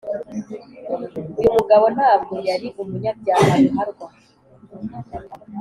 uyu mugabo ntabwo yari umunyabyaha ruharwa;